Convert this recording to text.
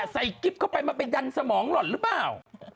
กิ๊บเข้าไปมันไปดันสมองหล่อนหรือเปล่า